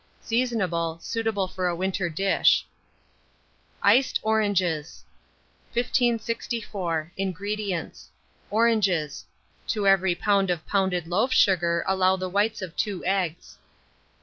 Seasonable. Suitable for a winter dish. ICED ORANGES. 1564. INGREDIENTS. Oranges; to every lb. of pounded loaf sugar allow the whites of 2 eggs.